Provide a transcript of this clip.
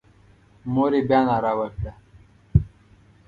مور یې بیا ناره وکړه.